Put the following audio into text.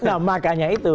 nah makanya itu